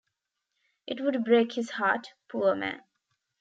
It would break his heart, poor man.